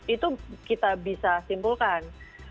itu kita bisa simpulkan